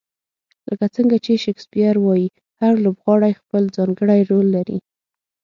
لکه څنګه چې شکسپیر وایي، هر لوبغاړی خپل ځانګړی رول لري.